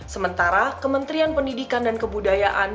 sementara kementerian pendidikan dan kebudayaan